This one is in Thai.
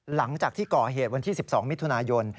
หลังจากที่ก่อเหตุวันที่๑๒มิถุนายน